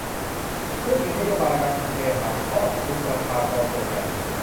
ซึ่งมีนโยบายการเคหะครอบคลุมกลุ่มประชากรส่วนใหญ่